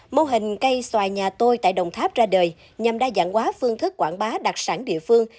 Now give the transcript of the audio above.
mô hình cây xoài nhà tôi tại đồng tháp ra đời nhằm đa dạng hóa phương thức quảng bá đặc sản địa phương